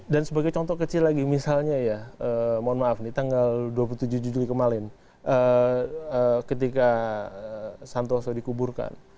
dan sebagai contoh kecil lagi misalnya ya mohon maaf nih tanggal dua puluh tujuh juli kemarin ketika santooso dikuburkan